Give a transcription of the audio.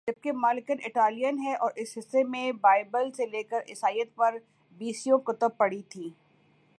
جبکہ دکان اٹالین ہے اور اس حصہ میں بائبل سے لیکر عیسائیت پر بیسیوں کتب پڑی تھیں